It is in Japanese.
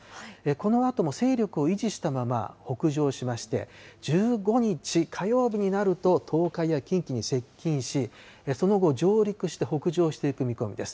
このあとも勢力を維持したまま北上しまして、１５日火曜日になると、東海や近畿に接近し、その後、上陸して、北上していく見込みです。